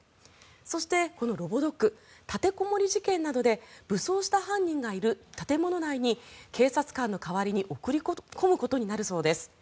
そして、このロボドッグ立てこもり事件などで武装した犯人がいる建物内に警察官の代わりに送り込むことになるそうです。